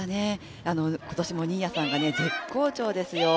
今年も新谷さんが絶好調ですよ。